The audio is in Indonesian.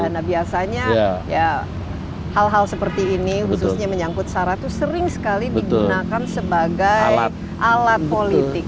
nah biasanya ya hal hal seperti ini khususnya menyangkut sarah itu sering sekali digunakan sebagai alat politik